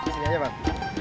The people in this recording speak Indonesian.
sini aja bang